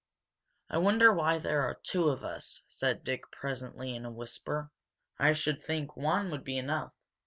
"I wonder why there are two of us," said Dick presently, in a whisper. "I should think one would be enough."